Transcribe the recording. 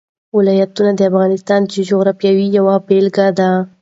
ولایتونه د افغانستان د جغرافیې یوه بېلګه ده.